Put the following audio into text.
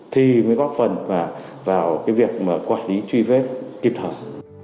thì mới góp phần vào việc quản lý truy vết kịp thời